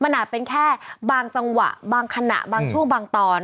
มันอาจเป็นแค่บางจังหวะบางขณะบางช่วงบางตอน